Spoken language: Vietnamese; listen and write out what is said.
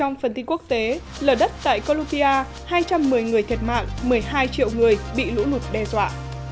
trong phần tin quốc tế lở đất tại colombia hai trăm một mươi người thiệt mạng một mươi hai triệu người bị lũ lụt đe dọa